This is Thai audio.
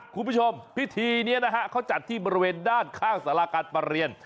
คุณผู้ชมพิธีนี้นะฮะเขาจัดที่บริเวณด้านข้างสาราการประเรียน